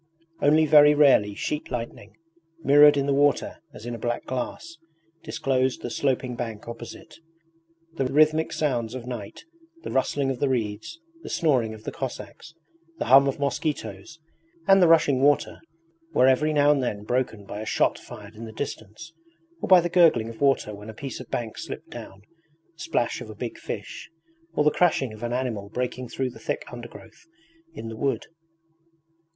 Only very rarely sheet lightning, mirrored in the water as in a black glass, disclosed the sloping bank opposite. The rhythmic sounds of night the rustling of the reeds, the snoring of the Cossacks, the hum of mosquitoes, and the rushing water, were every now and then broken by a shot fired in the distance, or by the gurgling of water when a piece of bank slipped down, the splash of a big fish, or the crashing of an animal breaking through the thick undergrowth in the wood.